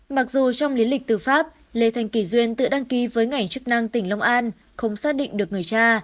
mặc dù trong lý lịch từ pháp lê thanh kỳ duyên tự đăng ký với ngảnh chức năng tỉnh long an không xác định được người cha